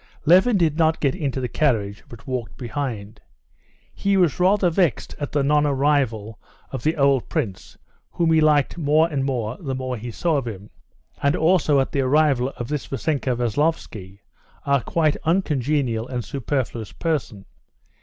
Levin did not get into the carriage, but walked behind. He was rather vexed at the non arrival of the old prince, whom he liked more and more the more he saw of him, and also at the arrival of this Vassenka Veslovsky, a quite uncongenial and superfluous person.